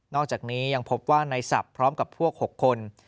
อกจากนี้ยังพบว่าในศัพท์พร้อมกับพวก๖คน